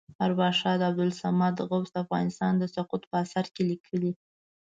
ارواښاد عبدالصمد غوث د افغانستان د سقوط په اثر کې لیکلي.